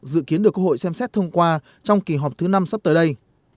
dự kiến được quốc hội xem xét thông qua trong kỳ họp thứ năm sắp tới đây